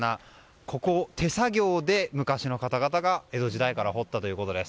ここを手作業で昔の方々が江戸時代から掘ったということです。